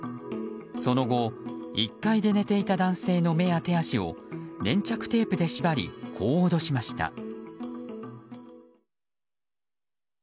その後、１階で寝ていた男性の目や手足を粘着テープで縛りこう脅しました。